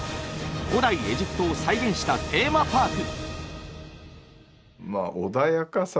古代エジプトを再現したテーマパーク」。